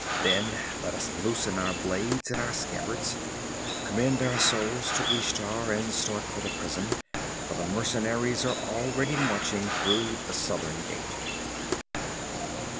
'Then let us loosen our blades in our scabbards, commend our souls to Ishtar, and start for the prison, for the mercenaries are already marching through the southern gate.'